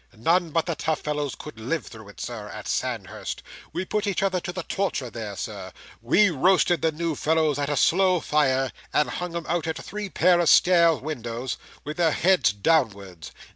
None but the tough fellows could live through it, Sir, at Sandhurst. We put each other to the torture there, Sir. We roasted the new fellows at a slow fire, and hung 'em out of a three pair of stairs window, with their heads downwards.